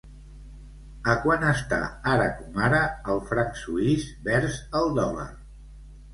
A quant està ara com ara el franc suís vers el dòlar?